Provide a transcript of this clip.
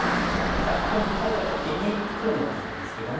さあここに打たれた時に黒の番なんですけども。